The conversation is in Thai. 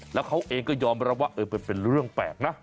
แล้วเขาเองก็ยอมรับว่ามันเป็นเรื่องแปลกนะ